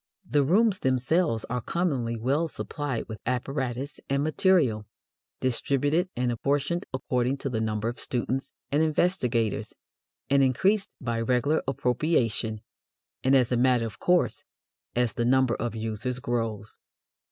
The rooms themselves are commonly well supplied with apparatus and material, distributed and apportioned according to the number of students and investigators, and increased by regular appropriation, and as a matter of course, as the number of users grows.